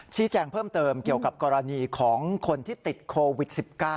แจ้งเพิ่มเติมเกี่ยวกับกรณีของคนที่ติดโควิด๑๙